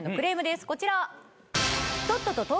こちら。